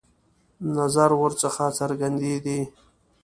نظر ورڅخه څرګندېدی.